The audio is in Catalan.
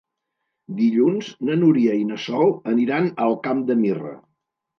Dilluns na Núria i na Sol aniran al Camp de Mirra.